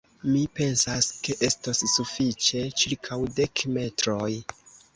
Mi pensas, ke estos sufiĉe ĉirkaŭ dek metroj!